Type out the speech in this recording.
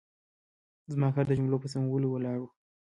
زما کار د جملو په سمولو ولاړ و.